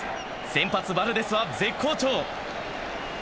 先発・バルデスは絶好調。